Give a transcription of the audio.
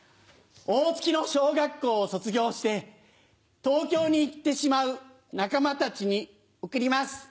大月の小学校を卒業して東京に行ってしまう仲間たちに贈ります。